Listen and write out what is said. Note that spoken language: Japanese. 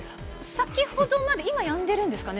先ほどまで、今、やんでるんですかね。